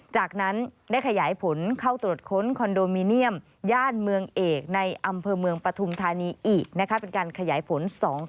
จากนั้นได้ขยายผลเข้าตรวจค้นคอนโดมิเนียม